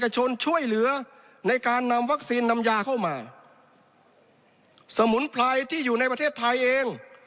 ช่วยเหลือในการนำวัคซีนนำยาเข้ามาสมุนไพรที่อยู่ในประเทศไทยเอง